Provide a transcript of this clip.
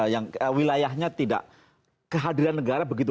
yang wilayahnya tidak kehadiran negara begitu